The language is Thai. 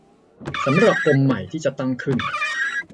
สำหรับกรมใหม่ที่จะตั้งขึ้น